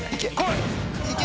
いけ！